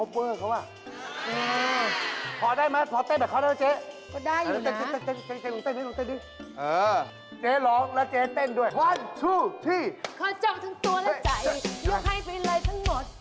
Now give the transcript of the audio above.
ยกให้ไปเลยทั้งหมด